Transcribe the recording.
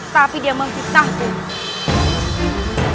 tapi dia mempisahku